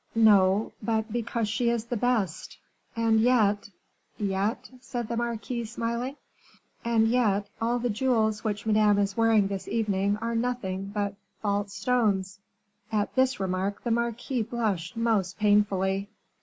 "No; but because she is the best. And yet " "Yet?" said the marquise, smiling. "And yet, all the jewels which madame is wearing this evening are nothing but false stones." At this remark the marquise blushed most painfully.